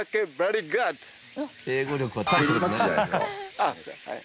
ああはい。